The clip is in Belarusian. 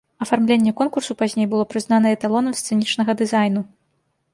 Афармленне конкурсу пазней было прызнана эталонам сцэнічнага дызайну.